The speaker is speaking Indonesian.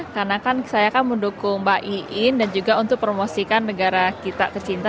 karena kan saya kan mendukung mbak iin dan juga untuk promosikan negara kita tercinta